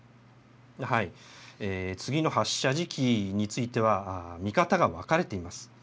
次の発射時期については、見方が分かれています。